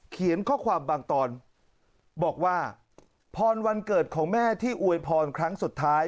เขียนข้อความบางตอนบอกว่าพรวันเกิดของแม่ที่อวยพรครั้งสุดท้าย